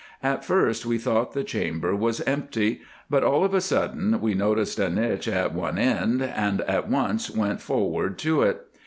At first we thought the chamber was empty, but all of a sudden we noticed a niche at one end and at once went forward to it.